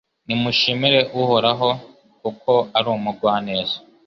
Nimushimire Uhoraho kuko ari umugwaneza